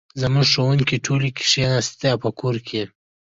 زموږ ښوونکې ټولې کښېناستي په کور کې